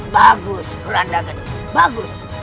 bagus kurang dagen bagus